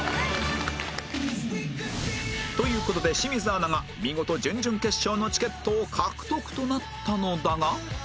という事で清水アナが見事準々決勝のチケットを獲得となったのだが